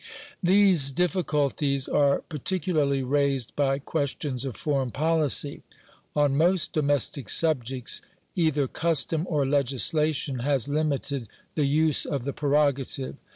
These difficulties are particularly raised by questions of foreign policy. On most domestic subjects, either custom or legislation has limited the use of the prerogative.